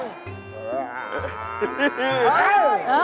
ห่าวได้